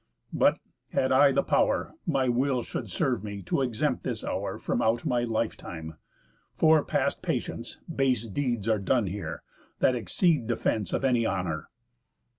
But, had I the pow'r, My will should serve me to exempt this hour From out my life time. For, past patience, Base deeds are done here, that exceed defence Of any honour.